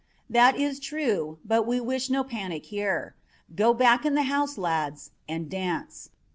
"That is true, but we wish no panic here. Go back in the house, lads, and dance.